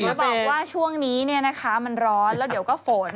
จะบอกว่าช่วงนี้เนี่ยนะคะมันร้อนแล้วเดี๋ยวก็ฝน